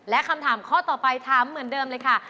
และคำถามข้อต่อไปถามเหมือนเดิมเลยค่ะ